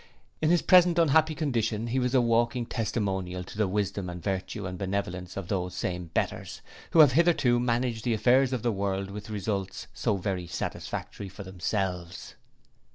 In his present unhappy condition he was a walking testimonial to the wisdom and virtue and benevolence of those same 'betters' who have hitherto managed the affairs of the world with results so very satisfactory for themselves.